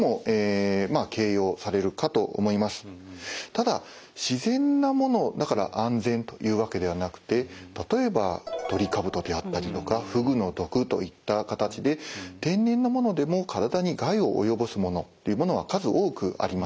ただ自然なものだから安全というわけではなくて例えばトリカブトであったりとかふぐの毒といった形で天然のものでも体に害をおよぼすものというものは数多くあります。